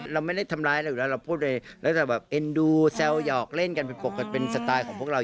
เราไม่ได้ทำร้ายอะไรอยู่แล้วเราพูดเลยแล้วแต่แบบเอ็นดูแซวหยอกเล่นกันเป็นปกติเป็นสไตล์ของพวกเรา